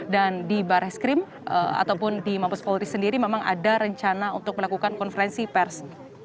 dan di barek skrim ataupun di mabus polri sendiri memang ada rencana untuk melakukan konferensi pers